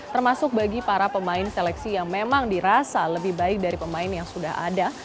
termasuk bagi para pemain seleksi yang memang dirasa lebih baik dari pemain yang sudah ada